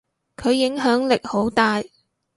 佢影響力好大。